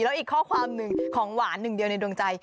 แล้วอีกข้อความหนึ่งของหวานหนึ่งเดียวในดวงใจ